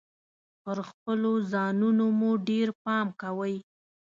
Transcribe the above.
پر خپلو ځانونو مو ډیر پام کوﺉ .